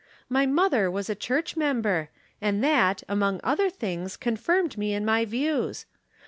My mother was a church member, and that, among other things, confirmed me in my views.